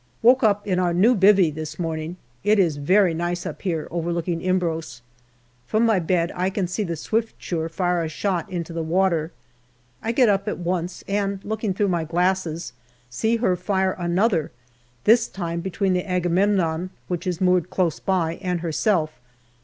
Woke up in our new " bivvy " this morning. It is very nice up here now, overlooking Imbros. From my bed I see the Swiftsure fire a shot into the water. I get up at once, and looking through my glasses, see her fire another, this time between the Agamemnon, which is moored close by, and herself.